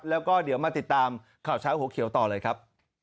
แล้วก็เดี๋ยวมาติดตามข่าวเช้าหัวเขียวต่อเลยครับ